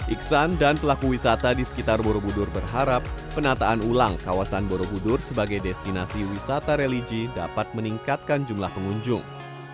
iksan dan pelaku wisata di sekitar borobudur berharap penataan ulang kawasan borobudur sebagai destinasi wisata religi dapat meningkatkan jumlah pengunjung